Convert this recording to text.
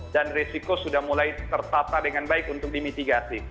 dan risiko sudah mulai tertata dengan baik untuk dimitigasi